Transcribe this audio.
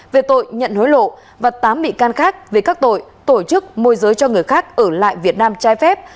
về tội nhận hối lộ và tám bị can khác về các tội tổ chức môi giới cho người khác ở lại việt nam trái phép